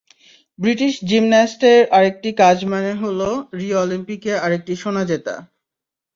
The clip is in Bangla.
ব্রিটিশ জিমন্যাস্টের আরেকটি কাজ মানে হলো রিও অলিম্পিকে আরেকটি সোনা জেতা।